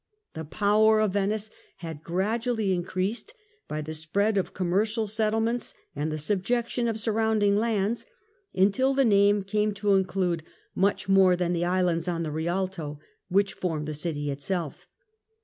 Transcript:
The power of Venice had gradually increased, by the spread of commercial settlements and the subjection of surrounding lands, until the name came to include much more than the islands on the Rialto which form the city itself.